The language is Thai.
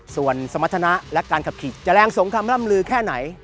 ส่วนสมรรถนะและการขับขี่จะแรงสมคำร่ำลือแค่ไหน